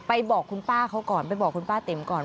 ไปบอกคุณป้าเขากรรรย์ไปบอกคุณป้าเต็มก่อน